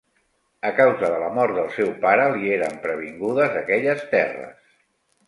A causa de la mort del seu pare li eren pervingudes aquelles terres.